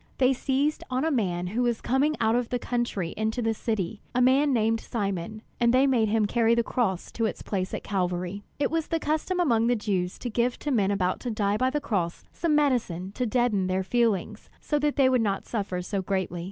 They seized on a man who was coming out of the country into the city, a man named Simon, and they made him carry the cross to its place at Calvary. It was the custom among the Jews to give to men about to die by the cross some medicine to deaden their feelings, so that they would not suffer so greatly.